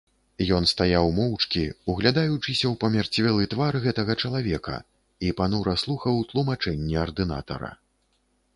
Ён стаяў моўчкі, углядаючыся ў памярцвелы твар гэтага чалавека, і панура слухаў тлумачэнні ардынатара.